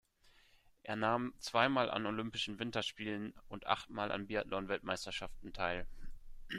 Er nahm zweimal an Olympischen Winterspielen und achtmal an Biathlon-Weltmeisterschaften teil.